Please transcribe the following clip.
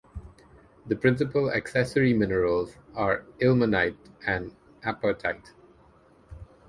The principal accessory minerals are ilmenite and apatite.